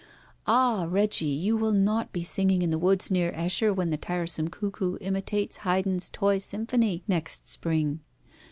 Ah, Reggie, you will not be singing in the woods near Esher when the tiresome cuckoo imitates Haydn's toy symphony next spring!